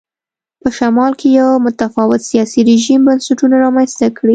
په شمال کې یو متفاوت سیاسي رژیم بنسټونه رامنځته کړي.